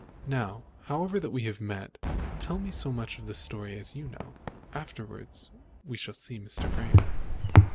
Now, however, that we have met, tell me so much of the story as you know. Afterwards we shall see Mr. Vrain."